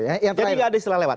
jadi gak ada istilah lewat